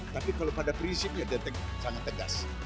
tapi kalau pada prinsipnya sangat tegas